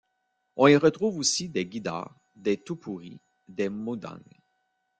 On y retrouve aussi des Guidar, des Toupouri, des Moudang.